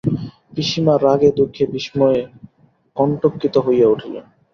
পিসিমা রাগে দুঃখে বিস্ময়ে কণ্টকিত হইয়া উঠিলেন।